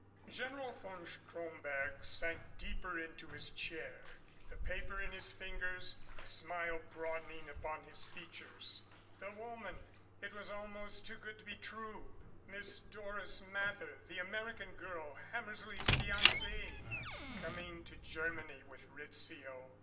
General von Stromberg sank deeper into his chair, the paper in his fingers, a smile broadening upon his features. The woman! It was almost too good to be true. Miss Doris Mather, the American girl, Hammersley's fiancée, coming to Germany with Rizzio.